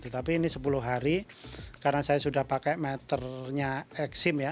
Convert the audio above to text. tapi ini sepuluh hari karena saya sudah pakai meternya eksim ya